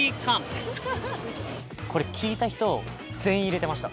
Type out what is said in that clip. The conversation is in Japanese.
これ聞いた人全員入ってました